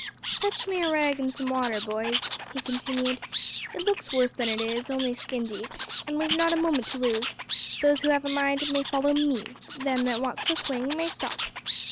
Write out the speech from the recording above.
"Fetch me a rag an' some water, boys," he continued. "It looks worse than it is only skin deep. And we've not a moment to lose. Those who have a mind may follow me. Them that wants to swing may stop."